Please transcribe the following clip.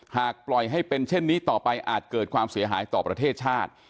หากปล่อยให้เป็นเช่นนี้ต่อไปอาจเกิดความเสียหายต่อประเทศชาติ